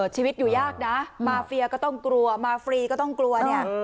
ชีวิตอยู่ยากนะมาเฟียก็ต้องกลัวมาฟรีก็ต้องกลัวเนี่ย